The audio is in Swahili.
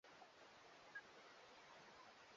Motoka ina mwanga muchanga